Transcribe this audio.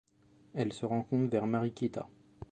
Elle se rencontre vers Mariquita.